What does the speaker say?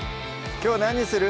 きょう何にする？